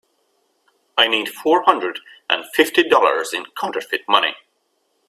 I need four hundred and fifty dollars in counterfeit money.